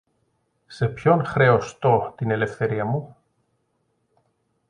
Σε ποιον χρεωστώ την ελευθερία μου;